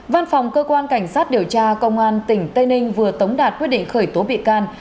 văn phòng cơ quan cảnh sát điều tra công an tỉnh tây ninh vừa tống đạt quyết định khởi tố bị can